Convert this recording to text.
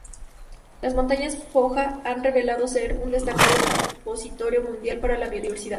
Las montañas Foja han revelado ser un destacado repositorio mundial para la biodiversidad.